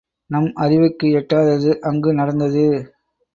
நம் அறிவுக்கு எட்டாதது அங்கு நடந்தது.